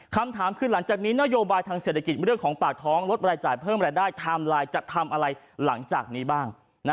คำถามคือหลังจากนี้นโยบายทางเศรษฐกิจเรื่องของปากท้องลดรายจ่ายเพิ่มรายได้ไทม์ไลน์จะทำอะไรหลังจากนี้บ้าง